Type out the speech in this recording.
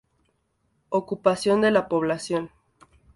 Ocupación de la población